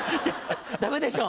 ダメでしょう！